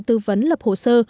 tư vấn lập hồ sơ